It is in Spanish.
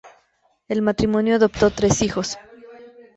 El matrimonio adoptó tres hijos.